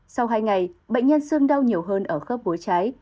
sau hai ngày bệnh nhân xương đau nhiều hơn ở khớp gối trái